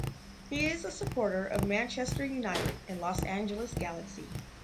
He is a supporter of Manchester United and Los Angeles Galaxy.